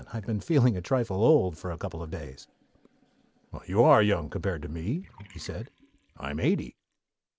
I've been feeling a trifle old for a couple of days." "Well, you are young compared to me," he said. "I'm eighty."